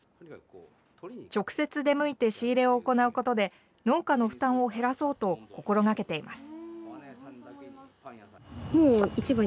直接出向いて仕入れを行うことで農家の負担を減らそうと心がけています。